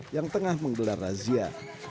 yang tengah menggelar razia